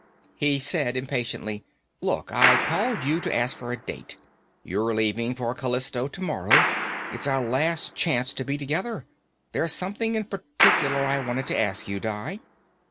He said impatiently, "Look, I called you to ask for a date. You're leaving for Callisto tomorrow. It's our last chance to be together. There's something in particular I wanted to ask you, Di."